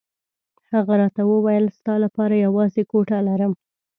هغه راته وویل ستا لپاره یوازې کوټه لرم.